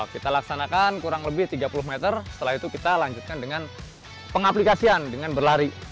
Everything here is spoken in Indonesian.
kita laksanakan kurang lebih tiga puluh meter setelah itu kita lanjutkan dengan pengaplikasian dengan berlari